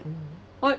はい。